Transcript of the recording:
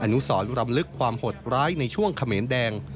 นุสรรำลึกความหดร้ายในช่วงเขมรแดง